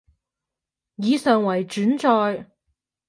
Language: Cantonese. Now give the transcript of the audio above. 以上為轉載